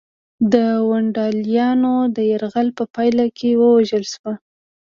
د ونډالیانو د یرغل په پایله کې ووژل شو.